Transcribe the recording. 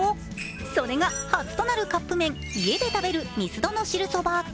それが初となるカップ麺、家で食べるミスドの汁そば。